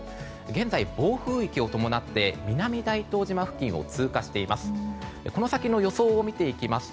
現在、暴風域を伴って南大東島付近を通過しています。